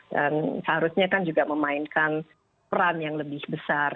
dan seharusnya kan juga memainkan peran yang lebih besar